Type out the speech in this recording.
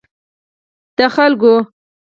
د خلګو